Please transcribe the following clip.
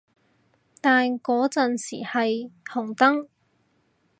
但嗰陣時係紅燈